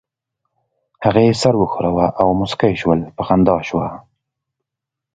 هغې سر وښوراوه او موسکۍ شول، په خندا شوه.